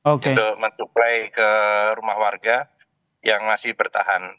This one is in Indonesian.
untuk mensuplai ke rumah warga yang masih bertahan